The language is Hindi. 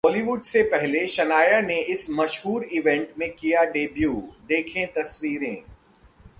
बॉलीवुड से पहले शनाया ने इस मशहूर इवेंट में किया डेब्यू, देखें तस्वीरें